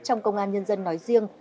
trong công an nhân dân nói riêng